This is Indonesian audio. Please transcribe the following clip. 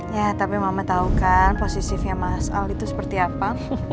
ya tapi mama tau kan posisifnya mas al gitu seperti apa